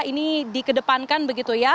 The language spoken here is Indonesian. ini dikedepankan begitu ya